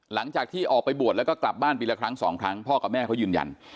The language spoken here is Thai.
หลังจากที่ออกไปบวชแล้วก็กลับบ้านปีละครั้งสองครั้งพ่อกับแม่เขายืนยัน